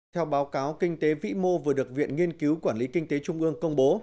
theo báo cáo kinh tế vĩ mô vừa được viện nghiên cứu quản lý kinh tế trung ương công bố